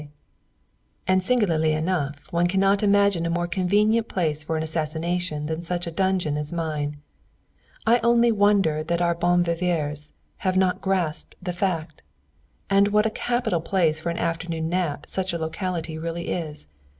_ And singularly enough, one cannot imagine a more convenient place for an assignation than such a dungeon as mine. I only wonder that our bon viveurs have not grasped the fact. And what a capital place for an afternoon nap such a locality really is!